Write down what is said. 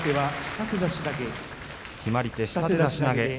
決まり手、下手出し投げ。